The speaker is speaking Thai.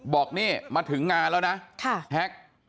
บอกนี่มาถึงงานแล้วนะแฮ็ก